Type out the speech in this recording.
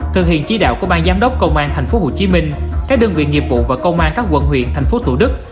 thực hiện chỉ đạo của ban giám đốc công an thành phố hồ chí minh các đơn vị nghiệp vụ và công an các quận huyện thành phố thủ đức